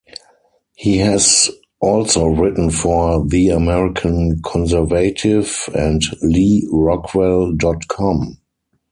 He has also written for "The American Conservative" and LewRockwell dot com.